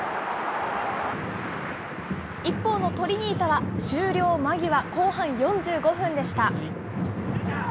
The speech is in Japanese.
一方のトリニータは終了間際、後半４５分でした。